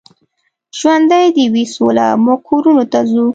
ژوندۍ دې وي سوله، موږ کورونو ته ځو.